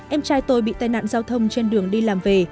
em trai tôi bị tai nạn giao thông trên đường đi làm về